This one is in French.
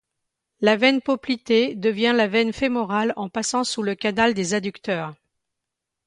La veine poplitée devient la veine fémorale en passant sous le canal des adducteurs.